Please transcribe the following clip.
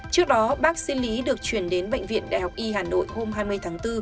trước đó bác sĩ lý được chuyển đến bệnh viện đại học y hà nội hôm hai mươi tháng bốn